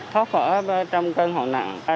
thoát khỏi trong cơn hồi nặng